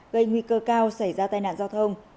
gây nguy cơ cao xảy ra tai nạn giao thông